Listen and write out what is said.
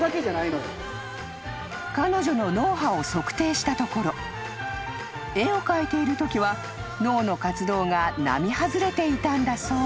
［彼女の脳波を測定したところ絵を描いているときは脳の活動が並外れていたんだそう］